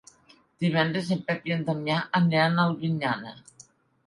Divendres en Pep i en Damià aniran a Albinyana.